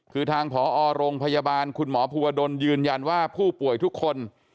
คือทางผอโรงพยาบาลคุณหมอภูวดลยืนยันว่าผู้ป่วยทุกคน